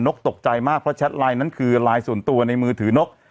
กตกใจมากเพราะแชทไลน์นั้นคือไลน์ส่วนตัวในมือถือนก